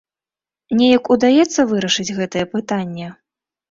Неяк удаецца вырашыць гэтае пытанне?